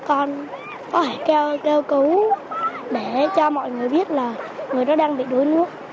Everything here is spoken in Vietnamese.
con có phải kêu cứu để cho mọi người biết là người đó đang bị đuối nước